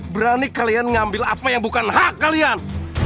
berani kalian ngambil apa yang bukan hak kalian